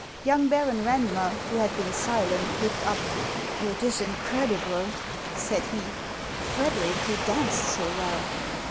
Young Baron Randmer, who had been silent, looked up. " It is incredible," said he ;" Frederic, who danced so well